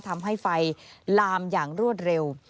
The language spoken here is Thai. ทำให้ไฟลามอย่างรวดเร็ว